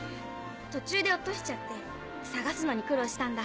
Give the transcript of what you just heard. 途中で落としちゃって捜すのに苦労したんだ。